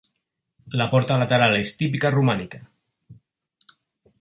La porta lateral és típica romànica.